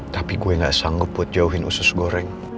tapi gue gak sanggup jauhin usus goreng